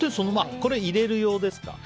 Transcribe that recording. これ、入れる用ですか？